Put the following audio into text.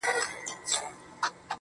زما د اوښکي ـ اوښکي ژوند سره اشنا ملگري_